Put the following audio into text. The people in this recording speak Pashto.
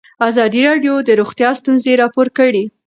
ازادي راډیو د روغتیا ستونزې راپور کړي.